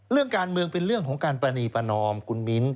เรื่องการเมืองเป็นเรื่องของการปรณีประนอมคุณมิ้น